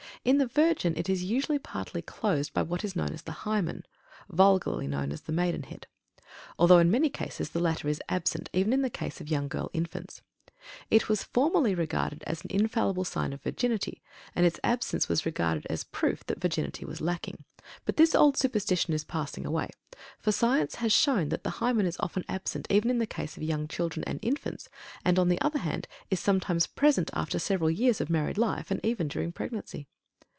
In the virgin it is usually partly closed by what is known as "THE HYMEN," (vulgarly known as the "maiden head"), although in many cases the latter is absent even in the case of young girl infants. It was formerly regarded as an infallible sign of virginity, and its absence was regarded as a proof that virginity was lacking. But this old superstition is passing away, for science has shown that the Hymen is often absent even in the case of young children and infants, and, on the other hand, is sometimes present after several years of married life, and even during pregnancy.